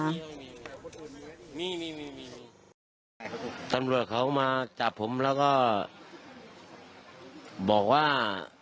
นี่มีมีตำรวจเขามาจับผมแล้วก็บอกว่า